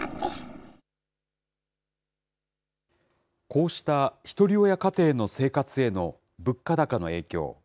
こうしたひとり親家庭の生活への物価高の影響。